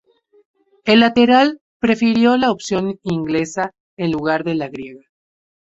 El lateral prefirió la opción inglesa en lugar de la griega.